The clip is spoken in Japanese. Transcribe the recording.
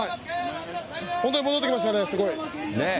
本当に戻ってきましたね、すごい。